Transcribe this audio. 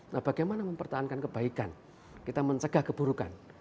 nah bagaimana mempertahankan kebaikan kita mencegah keburukan